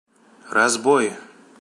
Разбой!